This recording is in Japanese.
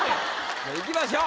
じゃあいきましょう。